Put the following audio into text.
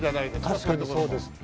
確かにそうです。